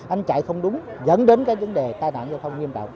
anh chạy không đúng dẫn đến cái vấn đề tai nạn giao thông nghiêm trọng